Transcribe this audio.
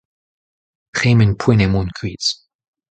tremen poent eo mont kuit.